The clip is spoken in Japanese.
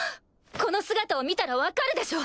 この姿を見たら分かるでしょ？